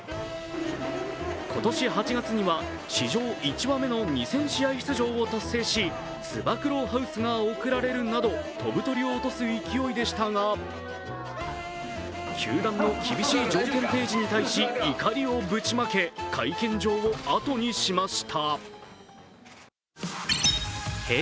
今年８月には史上１羽目の２０００試合出場を達成しつば九郎ハウスが贈られるなど、飛ぶ鳥を落とす勢いでしたが、球団の厳しい条件提示に対し怒りをぶちまけ、会見場を後にしました。